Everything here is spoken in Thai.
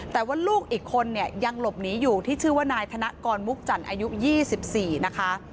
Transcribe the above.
แต่ว่าลูกอีกคนเนี่ยยังหลบหนีอยู่ที่ชื่อว่านายธนกรมุกจันทร์อายุ๒๔นะคะ